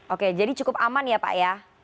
oke jadi cukup aman ya pak ya